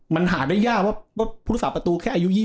มันหาได้ยากว่าผู้รักษาประตูแค่อายุ๒๐